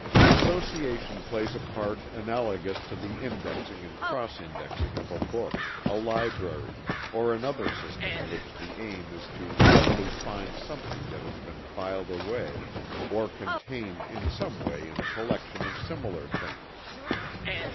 Association plays a part analogous to the indexing and cross indexing of a book; a library; or another system in which the aim is to readily find something that has been filed away, or contained in some way in a collection of similar things.